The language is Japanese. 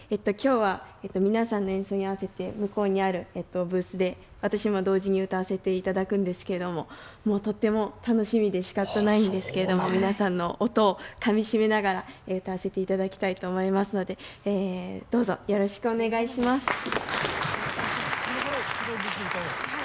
今日は皆さんの演奏に合わせて向こうにあるブースで私も同時に歌わせて頂くんですけれどももうとっても楽しみでしかたないんですけれども皆さんの音をかみしめながら歌わせて頂きたいと思いますのでどうぞよろしくお願いします。